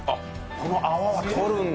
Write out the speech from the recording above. この泡は取るんだ。